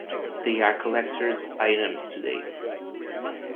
They are collectors' items today.